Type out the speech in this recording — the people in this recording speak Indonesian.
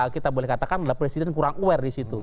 kita boleh katakan adalah presiden kurang aware disitu